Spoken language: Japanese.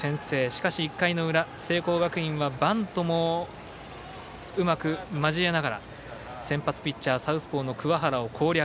しかし１回の裏の聖光学院はバントもうまく交えながら先発ピッチャーサウスポーの桑原を攻略。